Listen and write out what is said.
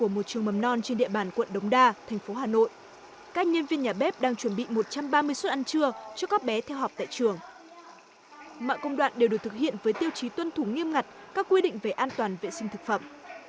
mọi công đoạn đều được thực hiện với tiêu chí tuân thủ nghiêm ngặt các quy định về an toàn vệ sinh thực phẩm